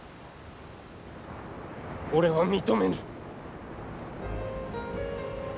俺は認めぬ。